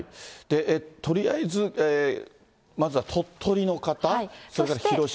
とりあえず、まずは鳥取の方、それから広島。